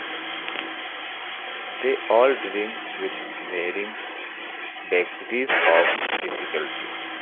They all drink, with varying degrees of difficulty.